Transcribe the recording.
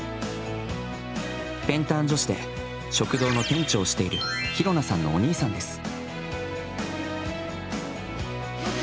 ペンターン女子で食堂の店長をしている広菜さんのお兄さんです。